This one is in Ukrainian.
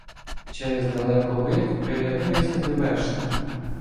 Через далековцд приглядаюся до вершників.